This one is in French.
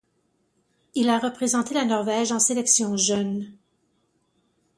Il a représenté la Norvège en sélections jeunes.